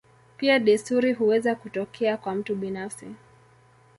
Pia desturi huweza kutokea kwa mtu binafsi.